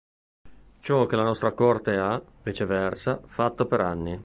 Ciò che la nostra Corte ha, viceversa, fatto per anni.